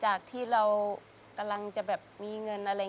จากที่เรากำลังจะแบบมีเงินอะไรอย่างนี้เราก็ไม่มีเลย